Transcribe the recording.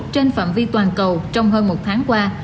trên phạm vi toàn cầu trong hơn một tháng qua